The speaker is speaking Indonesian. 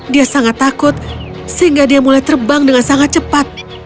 dia sangat takut sehingga dia mulai terbang dengan sangat cepat